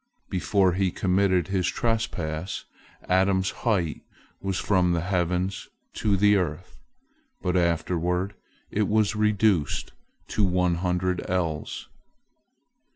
Before he committed his trespass, Adam's height was from the heavens to the earth, but afterward it was reduced to one hundred ells.